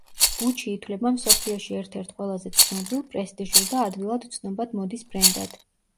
გუჩი ითვლება მსოფლიოში ერთ-ერთ ყველაზე ცნობილ, პრესტიჟულ და ადვილად ცნობად მოდის ბრენდად.